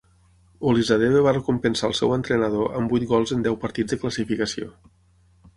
Olisadebe va recompensar el seu entrenador amb vuit gols en deu partits de classificació.